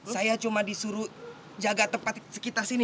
saya cuma disuruh jaga tempat sekitar sini